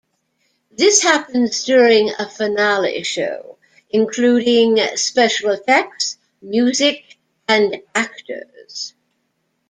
This happens during a finale show, including special effects, music and actors.